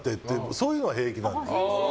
そういうのは平気なの。